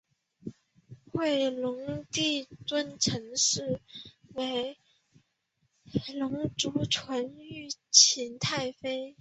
乾隆帝尊陈氏为皇祖纯裕勤太妃。